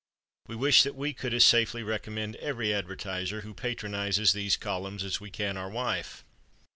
We wish that we could as safely recommend every advertiser who patronizes these columns as we can our wife.